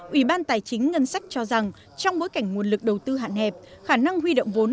ủy ban tài chính ngân sách cho rằng trong bối cảnh nguồn lực đầu tư hạn hẹp khả năng huy động vốn